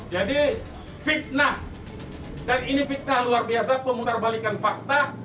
jadi fitnah dan ini fitnah luar biasa pemutarbalikan fakta